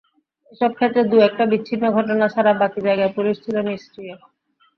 এসব ক্ষেত্রে দু-একটা বিচ্ছিন্ন ঘটনা ছাড়া বাকি জায়গায় পুলিশ ছিল নিষ্ক্রিয়।